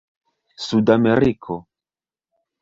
sudameriko